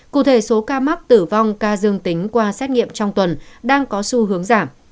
cụ thể số ca mắc tử vong ca dương tính qua xét nghiệm trong tuần đang có xu hướng giảm